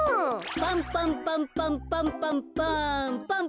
パンパンパンパンパンパンパン。